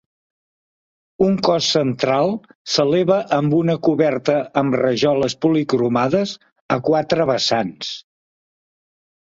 Un cos central s'eleva amb una coberta amb rajoles policromades, a quatre vessants.